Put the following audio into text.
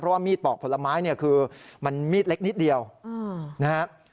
เพราะว่ามีดปอกผลไม้เนี่ยคือมันมีดเล็กนิดเดียวนะครับ